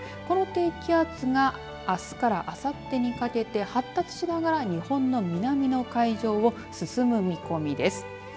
この低気圧があすからあさってにかけて発達しながら日本の南側の海上を進む見込みです。